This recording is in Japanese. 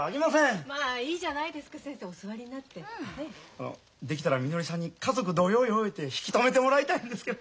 あのできたらみのりさんに「家族同様よ」言うて引き止めてもらいたいんですけど。